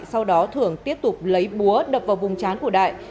sau đó thưởng tiếp tục lấy búa đập vào vùng trán của đại